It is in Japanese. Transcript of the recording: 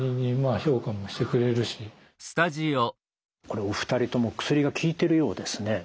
これお二人とも薬が効いてるようですね。